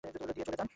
দিয়ে চলে যান।